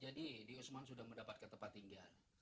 jadi diusman sudah mendapatkan tempat tinggal